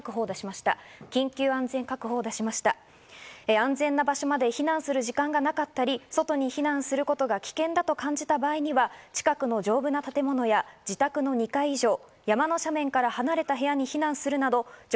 安全な場所まで避難する時間がなかったり、すでに外に避難することが危険だと感じた場合には近くの比較的丈夫な建物や自宅の２階以上、山の斜面からできるだけ離れた部屋に避難するなど、状況に応じて命を守る行動を直ちにとってください。